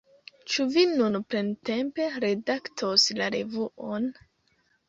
Ĉu vi nun plentempe redaktos la revuon?